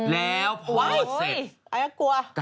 แล้วพอเสร็จ